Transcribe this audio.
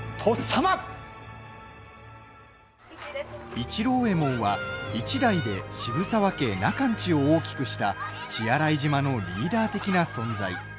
市郎右衛門は、一代で渋沢家中の家を大きくした血洗島のリーダー的な存在。